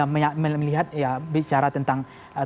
melihat ya bicara tentang